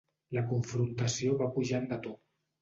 La confrontació va pujant de to.